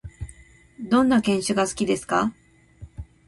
どんな犬種が好きですか？